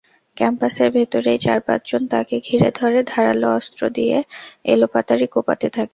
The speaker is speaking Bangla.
ক্যাম্পাসের ভেতরেই চার-পাঁচজন তাঁকে ঘিরে ধরে ধারালো অস্ত্র দিয়ে এলোপাতাড়ি কোপাতে থাকে।